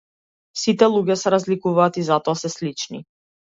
Сите луѓе се разликуваат и затоа се слични.